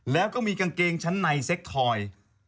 แล้วก็มีกางเกงชั้นในเซ็กทอย